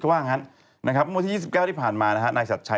วันที่๒๙ที่ผ่านมา